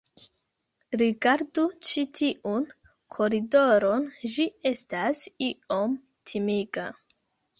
Rigardu ĉi tiun koridoron ĝi estas iom timiga